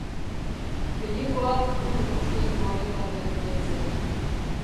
Gehiengoak ondo ikusten du oroigarriak kentzea.